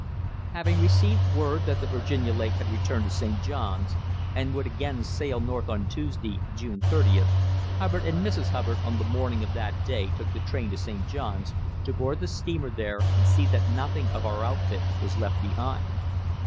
Having received word that the Virginia Lake had returned to St. Johns, and would again sail north on Tuesday, June 30th, Hubbard and Mrs. Hubbard on the morning of that day took the train to St. Johns, to board the steamer there and see that nothing of our outfit was left behind.